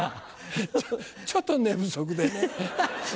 ちょっと寝不足でね。